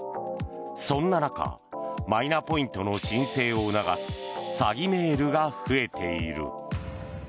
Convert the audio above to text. そんな中マイナポイントの申請を促す詐欺メールが増えている。